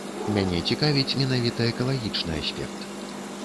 Мяне цікавіць менавіта экалагічны аспект.